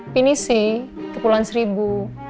pinisi kekuluan seribu